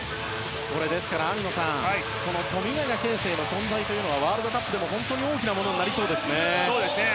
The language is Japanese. ですから、網野さん富永啓生の存在というのはワールドカップでも本当に大きなものになりそうですね。